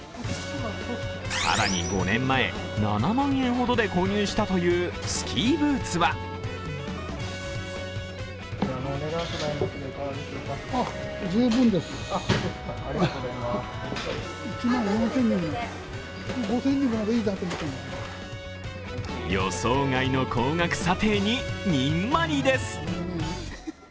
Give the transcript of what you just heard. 更に５年前、７万円ほどで購入したというスキーブーツは予想外の高額査定にニンマリです。